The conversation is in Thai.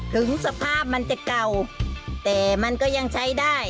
ถึงสภาพมันจะเก่าแต่มันก็ยังใช้ได้